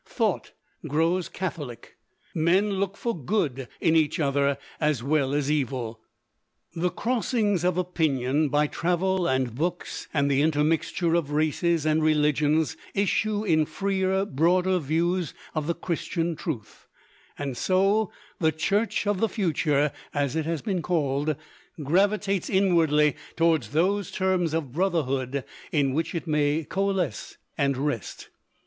Thought grows catholic. Men look for good in each other as well as evil. The crossings of opinion by travel and books, and the intermixture of races and religions, issue in freer, broader views of the Christian truth; and so the "Church of the Future," as it has been called, gravitates inwardly towards those terms of brotherhood in which it may coalesce and rest.